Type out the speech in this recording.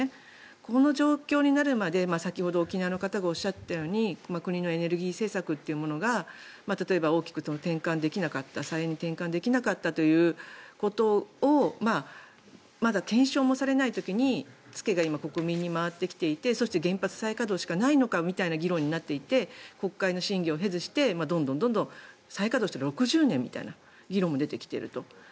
この状況になるまで先ほど沖縄の方がおっしゃっていたように国のエネルギー政策が例えば大きく転換できなかった再エネに転換できなかったということをまだ検証もされない時に国民に付けが回ってきていてそして原発再稼働しかないのかという議論になっていて国会の審議を経ずしてどんどん再稼働して６０年という議論も出てきていると。